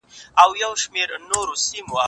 دا درسونه له هغه مهم دي؟!